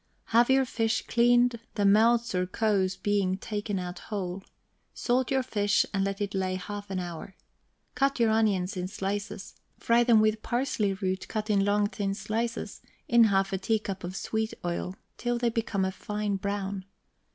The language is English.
Have your fish cleaned, the melts or kows being taken out whole; salt your fish, and let it lay half an hour. Cut your onions in slices, fry them with parsley root, cut in long thin slices, in half a teacup of sweet oil, till they become a fine brown.